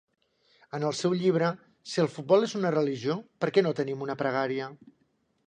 En el seu llibre "Si el futbol és una religió, per què no tenim una pregària?"